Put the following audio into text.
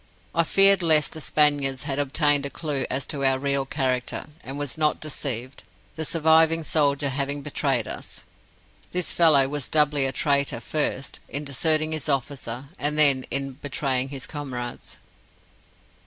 I feared lest the Spaniards had obtained a clue as to our real character, and was not deceived the surviving soldier having betrayed us. This fellow was thus doubly a traitor first, in deserting his officer, and then in betraying his comrades.